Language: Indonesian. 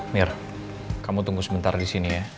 niar kamu tunggu sebentar di sini ya